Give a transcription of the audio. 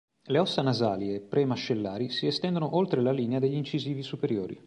Le ossa nasali e pre-mascellari si estendono oltre la linea degli incisivi superiori.